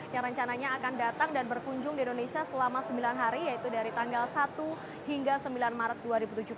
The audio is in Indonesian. yang rencananya akan datang dan berkunjung di indonesia selama sembilan hari yaitu dari tanggal satu hingga sembilan maret dua ribu tujuh belas